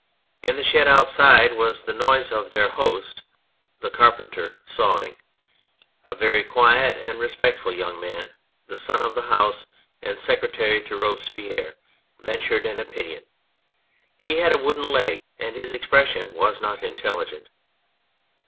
In the shed outside was the noise of their host, the carpenter, sawing. A very quiet and respectful young man, the son of the house and secretary to Robespierre, ventured an opinion. He had a wooden leg and his expression was not intelli gent.